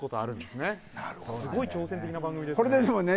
すごい挑戦的な番組ですね。